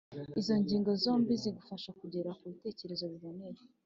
Izo ngingo zombi zigufasha kugera ku bitekerezo biboneye.